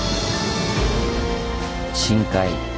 深海。